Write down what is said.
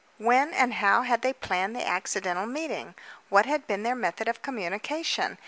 When and how had they planned the accidental meeting? What had been their method of communication?